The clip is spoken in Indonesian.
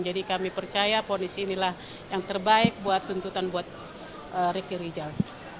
jadi kami percaya ponisi inilah yang terbaik buat tuntutan riki rizal